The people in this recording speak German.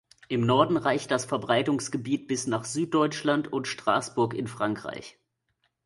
Im Norden reicht das Verbreitungsgebiet bis nach Süddeutschland und Straßburg in Frankreich.